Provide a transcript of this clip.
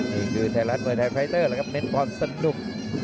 นี่คือไทยรัฐเมอร์ไทยไฟเตอร์นะครับเน้นพอสนุก